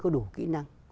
chưa có đủ kỹ năng